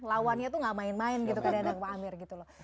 lawannya tuh gak main main gitu kadang kadang pak amir gitu loh